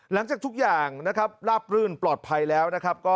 หลังจากทุกอย่างราบรื่นปลอดภัยแล้ว